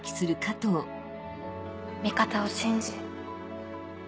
味方を信じ。